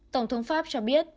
tổng thống pháp cho biết